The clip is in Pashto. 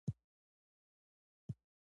د محمد اغه باغونه لري